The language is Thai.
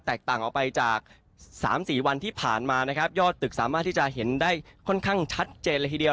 ต่างออกไปจากสามสี่วันที่ผ่านมานะครับยอดตึกสามารถที่จะเห็นได้ค่อนข้างชัดเจนเลยทีเดียว